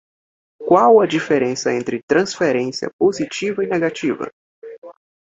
Qual é a diferença entre transferência positiva e negativa?